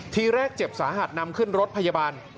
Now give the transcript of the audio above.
ทีแรกเจ็บสาหัสนำขึ้นรถพยาบาล